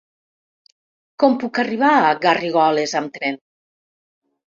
Com puc arribar a Garrigoles amb tren?